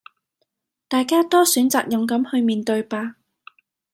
大家多選擇勇敢去面對吧！